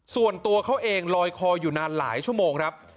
ส่วนตัวเขาเองลอยคออยู่นานหลายชั่วโมงครับ